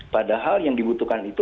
padahal yang dibutuhkan itu